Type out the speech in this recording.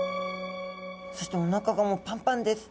そしておなかがもうパンパンです。